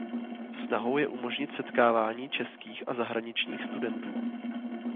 Snahou je umožnit setkávání českých a zahraničních studentů.